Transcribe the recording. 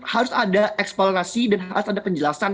harus ada eksplorasi dan harus ada penjelasan